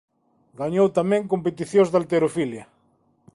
Gañou tamén competicións de halterofilia.